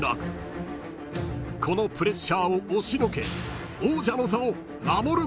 ［このプレッシャーを押しのけ］